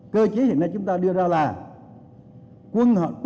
cơ chế hiện nay chúng ta đưa ra là quân